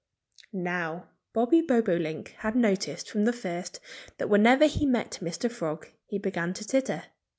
Now, Bobby Bobolink had noticed from the first that whenever he met Mr. Frog he began to titter.